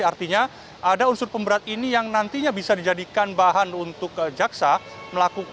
jadi artinya ada unsur pemberat ini yang nantinya bisa dijadikan bahan untuk jaksa